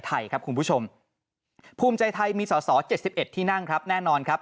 ไทยครับคุณผู้ชมภูมิใจไทยมีสอสอ๗๑ที่นั่งครับแน่นอนครับ